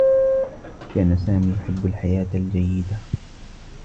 كان سامي يحبّ الحياة الجيّدة.